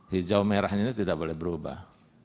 hijau merah ini tidak boleh berubah